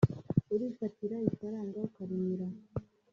urifatira ifaranga ukarimira